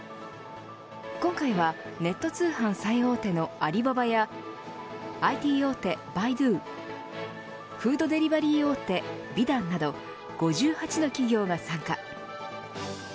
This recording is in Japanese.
今回は、ネット通販最大手のアリババやＩＴ大手バイドゥフードデリバリー大手、美団など５８の企業が参加。